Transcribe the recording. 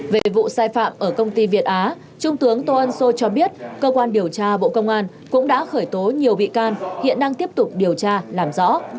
về vụ sai phạm ở công ty việt á trung tướng tô ân sô cho biết cơ quan điều tra bộ công an cũng đã khởi tố nhiều bị can hiện đang tiếp tục điều tra làm rõ